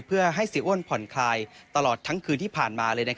เพื่อให้เสียอ้วนผ่อนคลายตลอดทั้งคืนที่ผ่านมาเลย